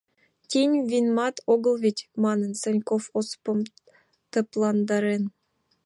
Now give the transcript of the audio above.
Тинь винамат огыл веть, — манын, Санков Осыпым тыпландарен.